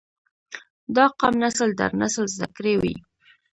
دا قام نسل در نسل زده کړي وي